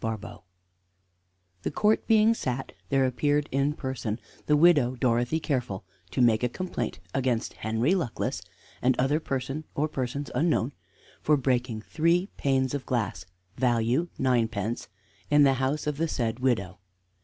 BARBAULD The court being sat, there appeared in person the widow Dorothy Careful to make a complaint against Henry Luckless, and other person or persons unknown, for breaking three panes of glass, value ninepence, in the house of the said widow.